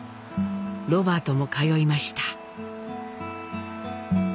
ロバートも通いました。